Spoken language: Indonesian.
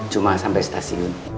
cuma sampai stasiun